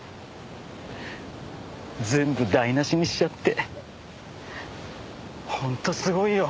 全部台無しにしちゃって本当すごいよ。